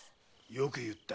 よく言った。